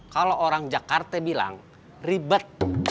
kalau orang jakarta bilang ribet